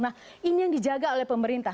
nah ini yang dijaga oleh pemerintah